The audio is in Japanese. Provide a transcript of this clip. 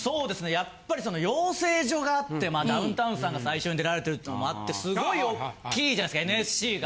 やっぱり養成所があってダウンタウンさんが最初に出られてるっていうのもあってすごいおっきいじゃないですかＮＳＣが。